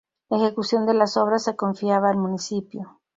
La ejecución de las obras se confiaba al Municipio.